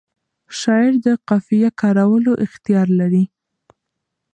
شاعر د قافیه کارولو اختیار لري.